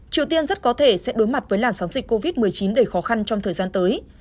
triều tiên rất có thể sẽ đối mặt với làn sóng dịch covid một mươi chín đầy khó khăn trong thời gian tới